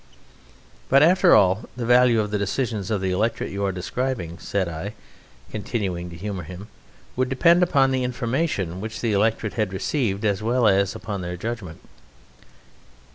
"But, after all, the value of the decisions of the electorate you are describing," said I, continuing to humour him, "would depend upon the information which the electorate had received as well as upon their judgment."